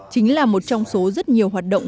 chính là một trong số rất nhiều hoạt động